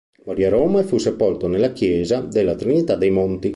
Morì a Roma e fu sepolto nella chiesa della Trinità dei Monti.